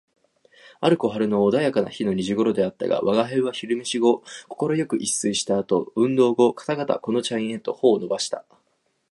ある小春の穏やかな日の二時頃であったが、吾輩は昼飯後快く一睡した後、運動かたがたこの茶園へと歩を運ばした